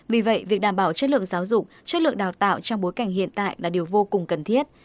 vì vậy việc đảm bảo chất lượng giáo dục chất lượng đào tạo trong bối cảnh hiện tại là điều vô cùng cần thiết